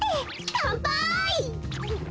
かんぱい！